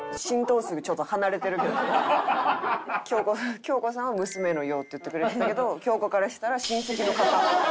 京子さんは「娘のよう」って言ってくれてたけど京子からしたら「親戚の方」。